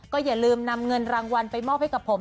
อย่าลืมนำเงินรางวัลไปมอบให้กับผม